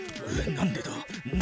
なんでだ？